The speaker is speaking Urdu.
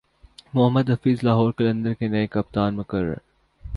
محمد حفیظ لاہور قلندرز کے نئے کپتان مقرر